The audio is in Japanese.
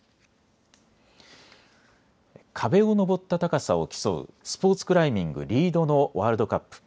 壁を登った高さを競うスポーツクライミング、リードのワールドカップ。